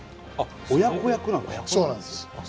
あ親子役なんですね。